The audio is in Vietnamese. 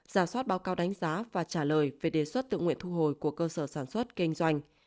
giả soát báo cáo đánh giá và trả lời về đề xuất tự nguyện thu hồi của cơ sở sản xuất kinh doanh